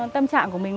tâm trạng của mình